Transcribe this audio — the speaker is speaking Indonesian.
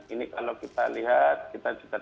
ini kalau kita lihat kita juga